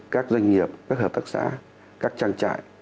các doanh nghiệp các hợp tác xã các trang trại